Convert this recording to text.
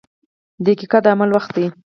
• دقیقه د عمل وخت دی.